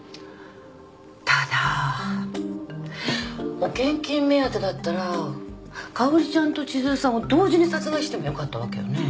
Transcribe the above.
ただ保険金目当てだったらかおりちゃんと千鶴さんを同時に殺害してもよかったわけよね。